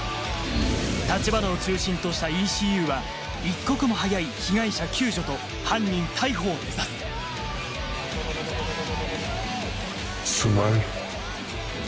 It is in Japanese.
橘を中心としたＥＣＵは一刻も早い被害者救助と犯人逮捕を目指すスマイル。